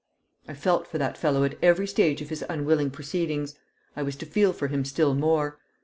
I felt for that fellow at every stage of his unwilling proceedings. I was to feel for him still more.